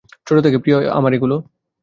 ছোট থেকেই প্রিয় আমার এগুলো।